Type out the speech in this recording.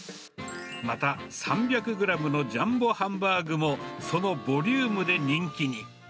また３００グラムのジャンボハンバーグも、そのボリュームで人気に。